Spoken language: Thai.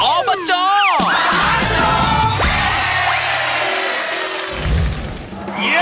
ออปเจ้า